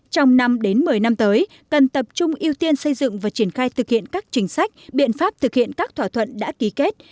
trong năm đến một mươi năm tới cần tập trung ưu tiên xây dựng và triển khai thực hiện các chính sách biện pháp thực hiện các thỏa thuận đã ký kết